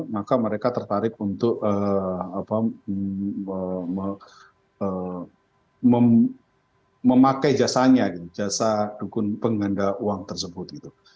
maka mereka tertarik untuk memakai jasanya gitu jasa dukun pengganda uang tersebut gitu